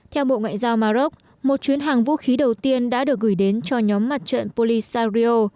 theo bộ ngoại giao maroc một chuyến hàng vũ khí đầu tiên đã được gửi đến cho nhóm mặt trận poly sario